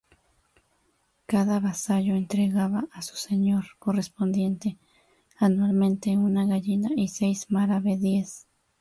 Cada vasallo entregaba a su señor correspondiente, anualmente, una gallina y seis maravedíes.